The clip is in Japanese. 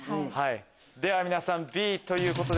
では皆さんＢということで。